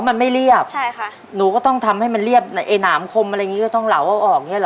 อ๋อมันไม่เรียบหนูก็ต้องทำให้มันเรียบไอหนามคมอะไรอย่างนี้ก็ต้องเหลาเอาออกใช่หรอ